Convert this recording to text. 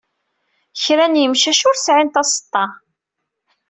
Kra n yemcac ur sɛin taseḍḍa.